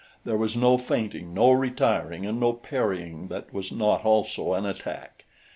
There was no feinting, no retiring and no parrying that was not also an attack.